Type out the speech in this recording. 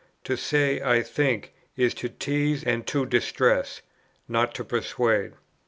To say 'I think' is to tease and to distress, not to persuade."